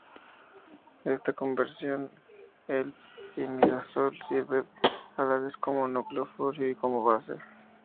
En esta conversión, el imidazol sirve a la vez como nucleófilo y como base.